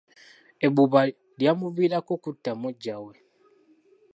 Ebbuba lyamuviirako kutta muggya we.